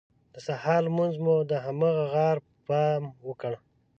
د سهار لمونځ مو د هماغه غار پر بام وکړ.